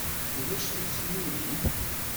Ulac tuttriwin?